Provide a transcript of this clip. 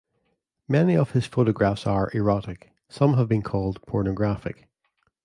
Many of his photographs are erotic; some have been called pornographic.